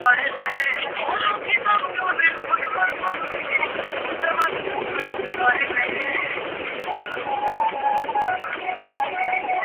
Degeneracy plays a fundamental role in quantum statistical mechanics.